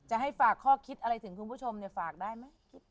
จะให้ฝากข้อคิดอะไรถึงคุณผู้ชมฝากได้ไหม